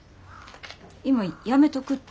今やめとくって。